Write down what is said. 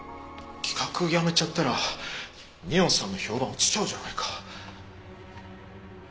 企画やめちゃったら美音さんの評判落ちちゃうじゃないか。